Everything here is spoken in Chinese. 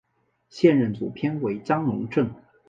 现任主编为张珑正。